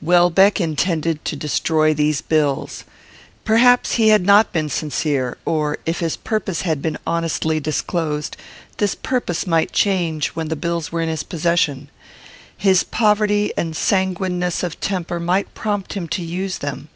Welbeck intended to destroy these bills. Perhaps he had not been sincere; or, if his purpose had been honestly disclosed, this purpose might change when the bills were in his possession. His poverty and sanguineness of temper might prompt him to use them.